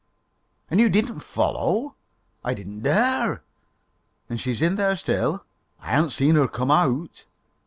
"And you didn't follow?" "I didn't dare." "And she's in there still?" "I haven't seen her come out."